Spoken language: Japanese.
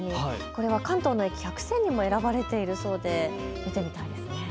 これは関東の駅１００選にも選ばれているそうで、行ってみたいですね。